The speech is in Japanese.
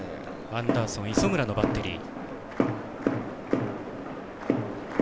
アンダーソン、磯村のバッテリー。